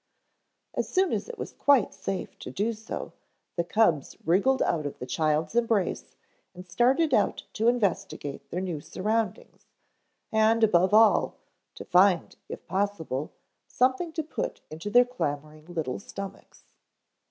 As soon as it was quite safe to do so, the cubs wriggled out of the child's embrace and started out to investigate their new surroundings and, above all, to find, if possible, something to put into their clamoring little stomachs.